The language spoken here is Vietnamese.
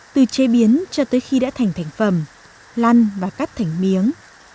từ chế biến cho tới khi đã thành thành phẩm lăn và cắt thành miếng